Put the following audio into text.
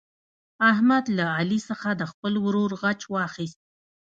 احمد له علي څخه د خپل ورور غچ واخیست.